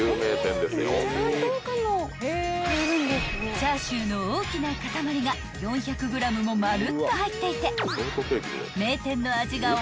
［チャーシューの大きな塊が４００ｇもまるっと入っていて］